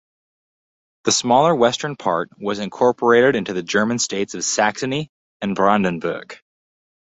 The smaller western part was incorporated into the German states of Saxony and Brandenburg.